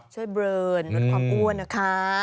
ช่วยเบิร์นลดความอ้วนนะคะ